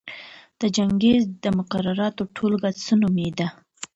د چنګیز د مقرراتو ټولګه څه نومېده؟